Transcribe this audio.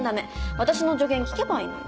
私の助言聞けばいいのに。